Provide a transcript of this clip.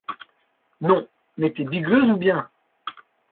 Non mais t'es bigleuse ou bien ?